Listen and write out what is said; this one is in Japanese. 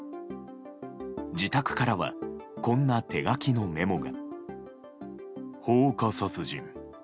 自宅からはこんな手書きのメモが。